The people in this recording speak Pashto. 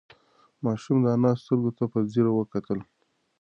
ماشوم د انا سترگو ته په ځير وکتل.